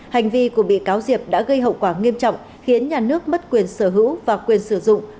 hành vi của bị cáo diệp đã gây hậu quả nghiêm trọng khiến nhà nước mất quyền sở hữu và quyền sử dụng